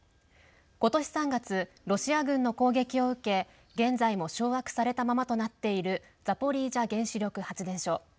ことし３月ロシア軍の攻撃を受け現在も掌握されたままとなっているザポリージャ原子力発電所。